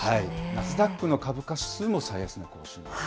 ナスダックの株価指数も最安値更新です。